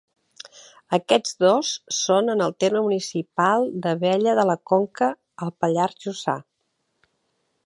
Aquests dos són en el terme municipal d'Abella de la Conca, al Pallars Jussà.